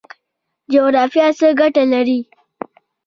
جغرافیه څه ګټه لري؟